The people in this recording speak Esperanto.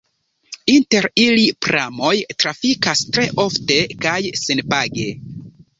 Inter ili pramoj trafikas tre ofte kaj senpage.